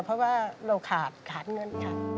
เพราะว่าเราขาดขาดเงินค่ะ